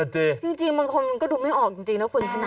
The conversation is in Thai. จริงบางคนมันก็ดูไม่ออกจริงนะคุณชนะ